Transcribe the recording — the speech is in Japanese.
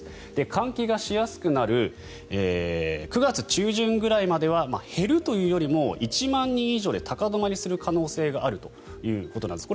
換気がしやすくなる９月中旬ぐらいまでは減るというよりも１万人以上で高止まりする可能性があるということです。